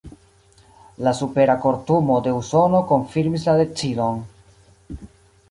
La Supera Kortumo de Usono konfirmis la decidon.